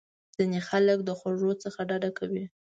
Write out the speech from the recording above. ځینې خلک د خوږو څخه ډډه کوي.